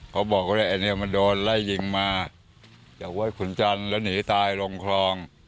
เขาบอกเลยไอ้เนี้ยมันโดนไล่ยิงมาจากวัดขุนจรแล้วหนีตายล่มคลอง